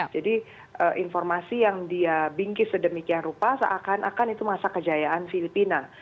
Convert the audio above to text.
jadi informasi yang dia bingkis sedemikian rupa seakan akan itu masa kejayaan filipina